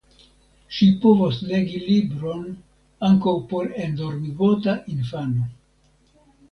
Ŝi povos legi libron ankaŭ por endormigota infano.